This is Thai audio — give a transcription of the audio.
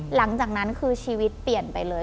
หลังจากนั้นคือชีวิตเปลี่ยนไปเลย